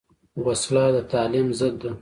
وسله د تعلیم ضد ده